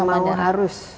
dan mau tidak mau harus